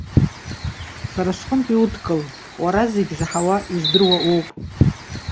Сара сҟынтә иудкыл. Уара зегьы заҳауа, издыруа уоуп.